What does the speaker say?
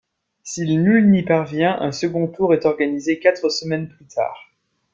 Si nul n'y parvient, un second tour est organisé quatre semaines plus tard.